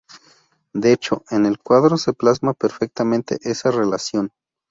De hecho, en el cuadro se plasma perfectamente esa relación.